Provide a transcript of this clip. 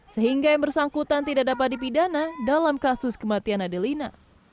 sehingga yang bersangkutan tidak dapat dipidana dalam kasus kematian adelina